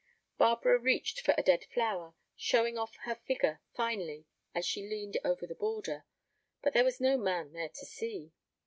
Barbara reached for a dead flower, showing off her figure finely as she leaned over the border—but there was no man there to see.